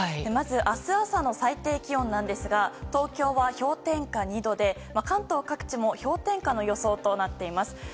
まず、明日朝の最低気温ですが東京は氷点下２度で関東各地も氷点下の予想となっています。